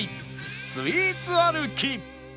スイーツ歩き